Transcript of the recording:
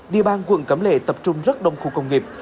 địa bàn quận cẩm lệ tập trung rất đông khu công nghiệp